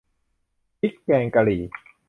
พริกแกงกะหรี่